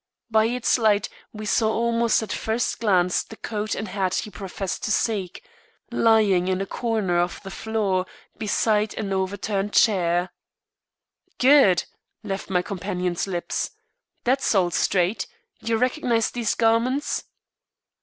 By its light we saw almost at first glance the coat and hat he professed to seek, lying in a corner of the floor, beside an overturned chair. "Good!" left my companion's lips. "That's all straight. You recognise these garments?"